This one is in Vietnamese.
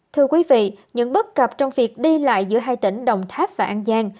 thưa quý vị những bất cập trong việc đi lại giữa hai tỉnh đồng tháp và an giang